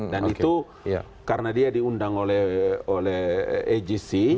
dan itu karena dia diundang oleh agc